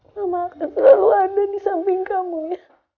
mama akan selalu ada di samping kamu ya